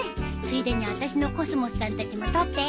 ついでにあたしのコスモスさんたちも撮って。